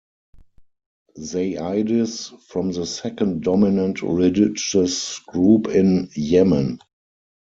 Zaidis form the second dominant religious group in Yemen.